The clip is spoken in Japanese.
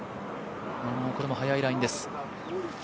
これも早いラインです。